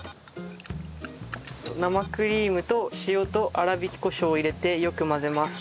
生クリームと塩と粗挽きコショウを入れてよく混ぜます。